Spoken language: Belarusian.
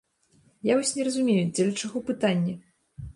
Я вось не разумею, дзеля чаго пытанне?